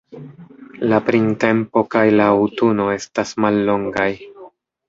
La printempo kaj la aŭtuno estas mallongaj.